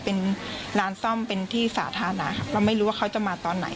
เป็นร้านซ่อมเป็นที่สาธารณะครับเราไม่รู้ว่าเขาจะมาตอนไหน